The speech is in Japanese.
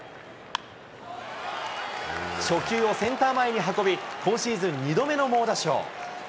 初球をセンター前に運び、今シーズン２度目の猛打賞。